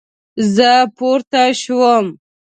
زه پورته شوم